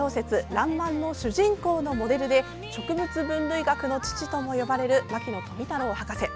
「らんまん」の主人公のモデルで植物分類学の父とも呼ばれる牧野富太郎博士。